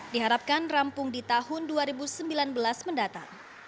diharapkan rampung di tahun dua ribu sembilan belas mendatang